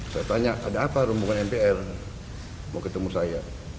saya tanya ada apa rombongan mpr mau ketemu saya